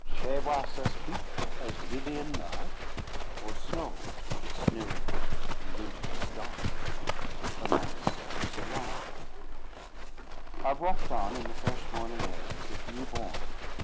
"Sche was as whyt as lylye yn May, Or snow that sneweth yn wynterys day." Romance of Sir Launfal. I walked on, in the fresh morning air, as if new born.